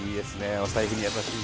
お財布に優しいね。